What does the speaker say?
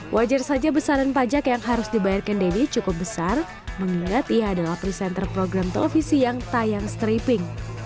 wajar saja besaran pajak yang harus dibayarkan deddy cukup besar mengingat ia adalah presenter program televisi yang tayang stripping